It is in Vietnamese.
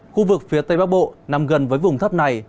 khu vực phía tây bắc bộ nằm gần với vùng thấp này